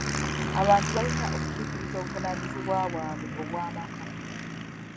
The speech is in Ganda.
Abantu balina okutuukiriza obuvunaanyizibwa bwabwe obw'amaka.